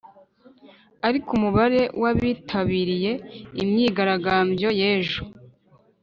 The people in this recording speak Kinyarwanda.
Ariko umubare w’abitabiriye imyigaragambyo y’ejo